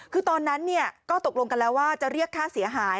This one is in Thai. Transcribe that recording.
คือตอนนั้นก็ตกลงกันแล้วว่าจะเรียกค่าเสียหาย